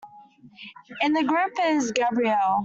In the group is Gabrielle.